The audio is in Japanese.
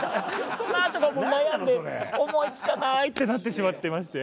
そのあとがもう悩んで思い付かない！ってなってしまってまして。